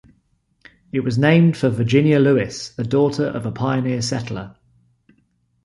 It was named for Virginia Lewis, the daughter of a pioneer settler.